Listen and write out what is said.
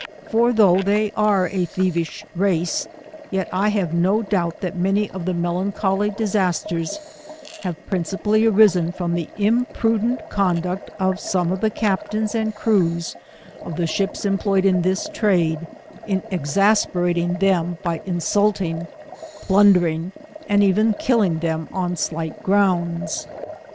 For though they are a theiviah race, yet I have na doubt that many of the melancholy disasters have principally arisen from the imprudent conduct of some of the captains and crews of the ships em ployed in this trade, in exasperating them by in sulting, plundering, and even killing them on slight grounds.'